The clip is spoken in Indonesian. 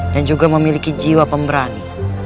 dan juga memiliki jiwa pemberani